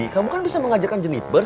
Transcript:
kamu kan bisa mengajarkan jenipers